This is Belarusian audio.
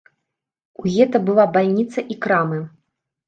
У гета была бальніца і крамы.